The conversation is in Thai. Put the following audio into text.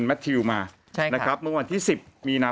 แม็ททิตมามาขอที่๑๐มีนา